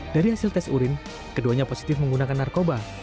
dari hasil tes urin keduanya positif menggunakan narkoba